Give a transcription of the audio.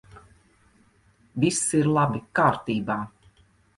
Viss ir labi! Kārtībā!